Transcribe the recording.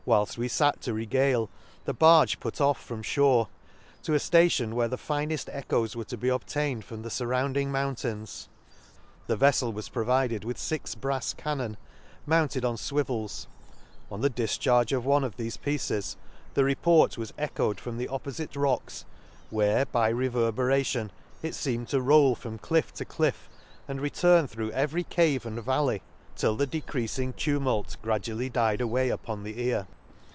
68 An Excursion to — Whilfl we fat to regale, the barge put off from fliore, to a ftation where the iinefl echoes were to be obtained from the furrounding mountains. — The veffel was provided with fix brafs cannon, mounted on fwivels ;— on the difcharge of one of thefe pieces, the report was echoed from the oppofite rocks, where by reverberation it feemed to roll from cliff to cliff, and return through 6very cave and valley ; till the decreasing tumult gradually died away upon the ear.